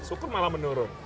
sukur malah menurun